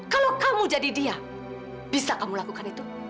kalau kamu jadi dia bisa kamu lakukan itu